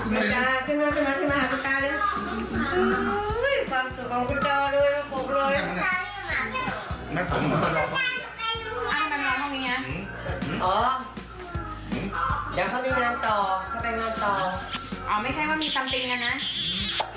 อ๋อไม่ใช่ว่ามีสัมปิงนะนะมีเท่ากันบ้างนิดหน่อย